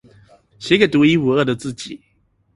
寫給獨一無二的自己